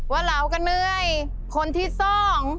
ว่าเหลากะเนยคนที่ซ่อง